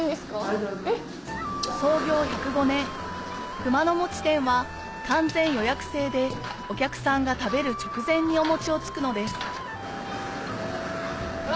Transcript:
熊野餅店は完全予約制でお客さんが食べる直前にお餅をつくのですうわ